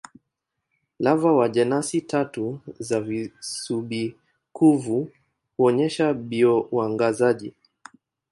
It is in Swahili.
Lava wa jenasi tatu za visubi-kuvu huonyesha bio-uangazaji.